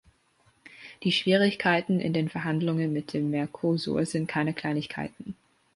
Die Schwierigkeiten in den Verhandlungen mit dem Mercosur sind keine Kleinigkeiten.